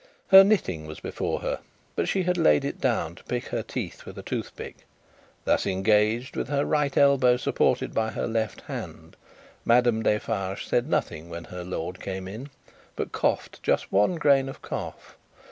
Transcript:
Her knitting was before her, but she had laid it down to pick her teeth with a toothpick. Thus engaged, with her right elbow supported by her left hand, Madame Defarge said nothing when her lord came in, but coughed just one grain of cough.